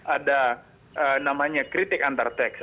ada namanya kritik antar teks